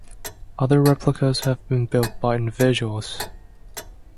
Other replicas have been built by individuals.